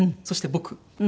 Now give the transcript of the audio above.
そして僕。